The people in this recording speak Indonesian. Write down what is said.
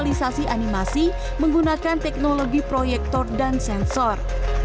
mengingatkan visualisasi animasi menggunakan teknologi proyektor dan sensor